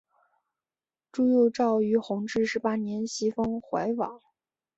朱佑棨于弘治十八年袭封淮王。